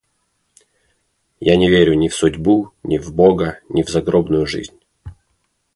Я не верю ни в судьбу, ни в бога, ни в загробную жизнь.